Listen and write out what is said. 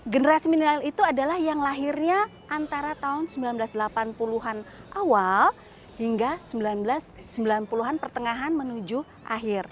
generasi milenial itu adalah yang lahirnya antara tahun seribu sembilan ratus delapan puluh an awal hingga seribu sembilan ratus sembilan puluh an pertengahan menuju akhir